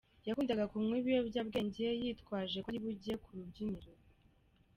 Yakundaga kunywa ibiyobyabwenge yitwaje ko ari bujye kurubyiniro.